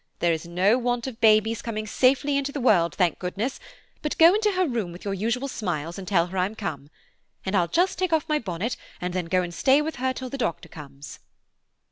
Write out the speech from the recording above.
There is no want of babies coming safely into the world, thank goodness, but go into her room with your usual smiles, and tell her I'm come; and I'll just take off my bonnet, and then go and stay with her till the doctor comes."